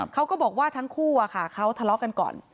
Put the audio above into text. เขาทะเลาะกันก่อน